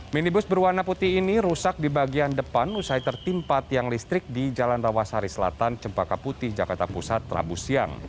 minibus berwarna putih ini rusak di bagian depan usai tertimpa tiang listrik di jalan rawasari selatan cempaka putih jakarta pusat rabu siang